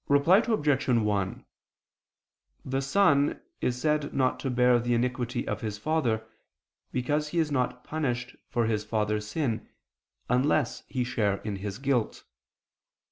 Reply Obj. 1: The son is said not to bear the iniquity of his father, because he is not punished for his father's sin, unless he share in his guilt.